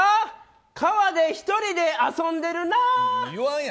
川で１人で遊んでいるな！